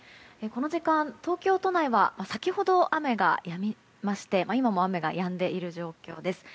この時間、東京都内は先ほど雨がやみまして今も雨がやんでいる状況です。